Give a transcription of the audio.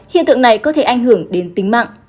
hiện tượng này có thể ảnh hưởng đến tính mạng